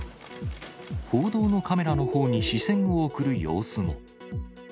報道のカメラのほうに視線を送る様子も。